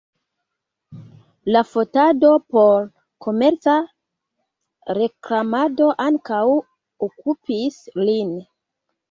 La fotado por komerca reklamado ankaŭ okupis lin.